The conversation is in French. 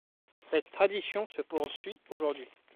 Cette tradition se poursuit aujourd’hui.